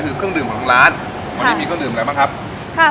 คือเครื่องดื่มของทางร้านวันนี้มีเครื่องดื่มอะไรบ้างครับค่ะ